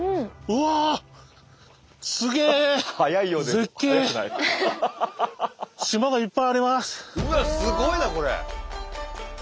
うわすごいなこれ！